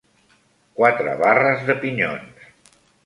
Quatre barres de pinyons.